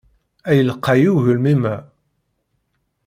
Ay lqay ugelmim-a!